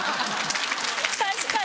確かに。